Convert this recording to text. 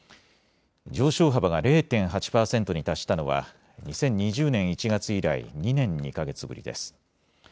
上昇幅が０．８％に達したのは２０２０年１月以来２年２か月ぶりです。